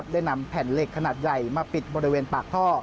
ได้นำแผ่นเหล็กขนาดใหญ่มาปิดบริเวณปากท่อ